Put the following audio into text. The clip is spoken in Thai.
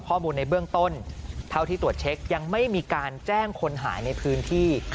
ข้อมูลในเบื้องต้นเท่าที่ตรวจเช็คยังไม่มีการแจ้งคนหายในพื้นที่